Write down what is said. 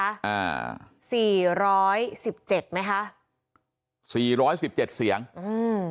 อ่าสี่ร้อยสิบเจ็ดไหมคะสี่ร้อยสิบเจ็ดเสียงอืม